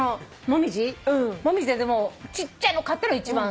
紅葉ででもちっちゃいの買ったの一番。